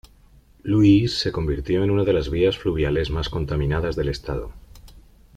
Louis se convirtió en uno de las vías fluviales más contaminadas del estado.